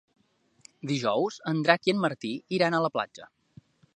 Dijous en Drac i en Martí iran a la platja.